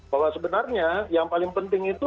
bahwa sebenarnya yang paling penting itu